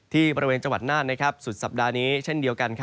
บริเวณจังหวัดน่านสุดสัปดาห์นี้เช่นเดียวกัน